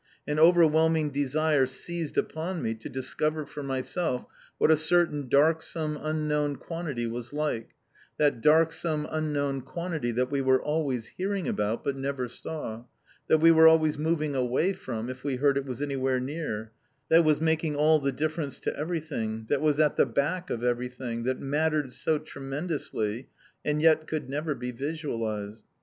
An overwhelming desire seized upon me to discover for myself what a certain darksome unknown quantity was like; that darksome, unknown quantity that we were always hearing about but never saw; that we were always moving away from if we heard it was anywhere near; that was making all the difference to everything; that was at the back of everything; that mattered so tremendously; and yet could never be visualized.